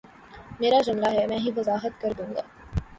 میرا جملہ ہے میں ہی وضاحت کر دوں گا